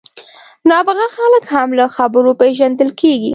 نابغه خلک هم له خبرو پېژندل کېږي.